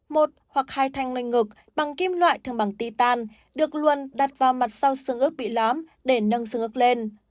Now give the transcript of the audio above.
một hoặc hai thanh nâng ngực bằng kim loại thường bằng ti tan được luôn đặt vào mặt sau sưng ức bị lóm để nâng sưng ức lên